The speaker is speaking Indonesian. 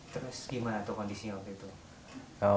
terus gimana tuh kondisinya waktu itu